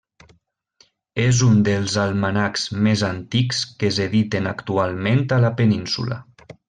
És un dels almanacs més antics que s'editen actualment a la península.